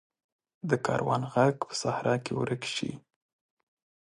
د کاروان ږغ په صحرا کې ورک شي.